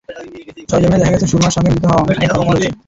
সরেজমিনে দেখা গেছে, সুরমার সঙ্গে মিলিত হওয়া অংশ থেকে খনন শুরু হয়েছে।